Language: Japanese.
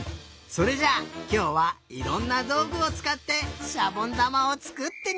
それじゃあきょうはいろんなどうぐをつかってしゃぼんだまをつくってみよう！